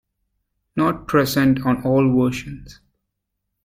Not present on all versions.